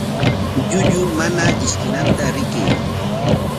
Llullu mana ishkinanta rikay.